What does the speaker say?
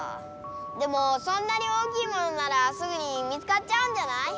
でもそんなに大きいモノならすぐに見つかっちゃうんじゃない？